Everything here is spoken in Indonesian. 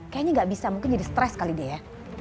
kayaknya gak bisa mungkin jadi stres kali deh ya